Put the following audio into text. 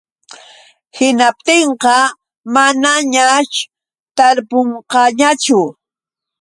Hinaptinqa manañaćh tarpushqaañachu.